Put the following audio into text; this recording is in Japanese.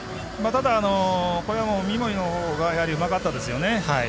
ただ、三森のほうがうまかったですよね。